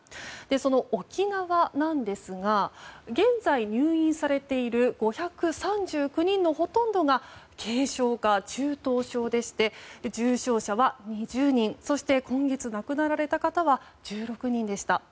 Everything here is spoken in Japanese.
その沖縄なんですが現在、入院されている５３９人のほとんどが軽症か中等症でして重症者は２０人そして、今月亡くなられた方は１６人でした。